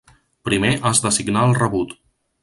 Primer has de signar el rebut.